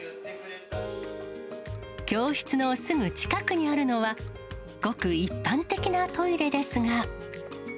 教室のすぐ近くにあるのは、ごく一般的なトイレですが。